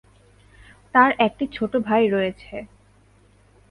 তার একটি ছোট ভাই রয়েছে।